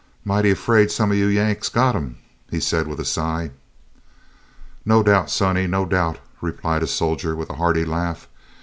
"Mighty 'fraid sum ov yo uns Yanks got 'em," he said, with a sigh. "No doubt, sonny, no doubt," replied a soldier with a hearty laugh.